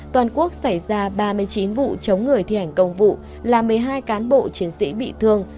toàn quốc xảy ra ba mươi chín vụ chống người thi hành công vụ làm một mươi hai cán bộ chiến sĩ bị thương